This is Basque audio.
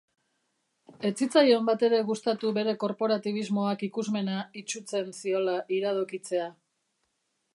Ez zitzaion batere gustatu bere korporatibismoak ikusmena itsutzen ziola iradokitzea.